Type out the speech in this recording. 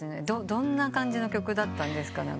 どんな感じの曲だったんですか？